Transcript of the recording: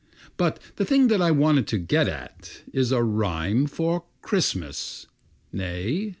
But the thing that I want to get at Is a rhyme for Christmas Nay!